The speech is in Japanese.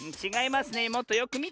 もっとよくみて。